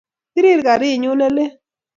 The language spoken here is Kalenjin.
Pirir karit nyu ne lel